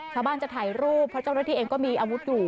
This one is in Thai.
ชาวบ้านจะถ่ายรูปเพราะเจ้าหน้าที่เองก็มีอาวุธอยู่